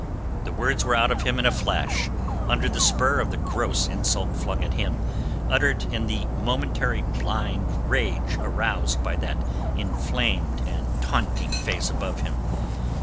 The words were out of him in a flash under the spur of the gross insult flung at him, uttered in the momentary blind rage aroused by that inflamed and taunting face above him.